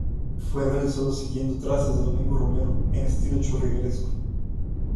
Fue realizado siguiendo trazas de Domingo Romero en estilo churrigueresco.